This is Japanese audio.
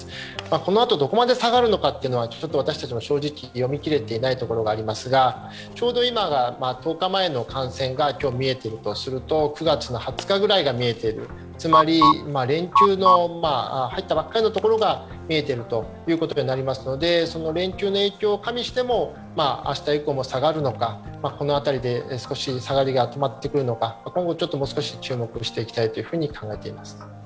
このあとどこまで下がるのかは私たちも正直言って読みきれていないところがありますが、ちょうど今が１０日前の感染が今日見えているとすると、９月２０日ぐらいが見えている、つまり連休に入ったばっかりのところが見えてるということになりますのでその連休の影響を加味しても、明日以降も下がるのか、この辺りで少し下がりが止まってくるのか、今後、もう少し注目していきたいと考えています。